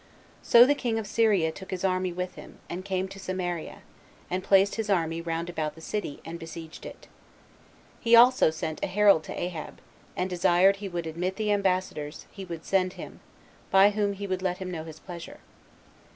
So the king of Syria took his army with him, and came to Samaria, and placed his army round about the city, and besieged it. He also sent a herald to Ahab, and desired he would admit the ambassadors he would send him, by whom he would let him know his pleasure.